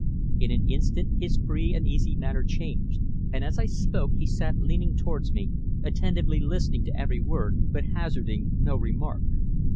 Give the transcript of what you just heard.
In an instant his free and easy manner changed, and as I spoke he sat leaning towards me, attentively listening to every word, but hazarding no remark.